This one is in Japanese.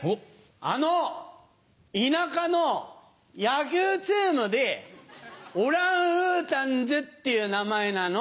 あの田舎の野球チームでオランウータンズっていう名前なの。